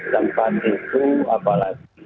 tempat itu apalagi